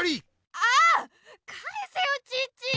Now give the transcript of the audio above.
あっかえせよチッチ！